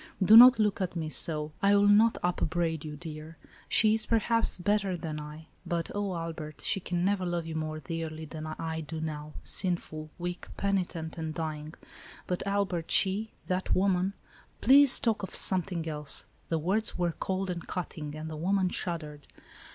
Do not look at me so ; I will not upbraid you, dear. She is, perhaps, bet ter than I, but, oh Albert, she can never love you more dearly than I do now, sinful, weak, penitent and dying. But, Albert, she — that wo man —" "Please talk of something else." The words were cold and cutting, and the woman shuddered.